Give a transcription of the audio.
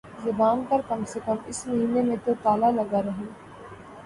زبان پر کم سے کم اس مہینے میں تو تالا لگا رہے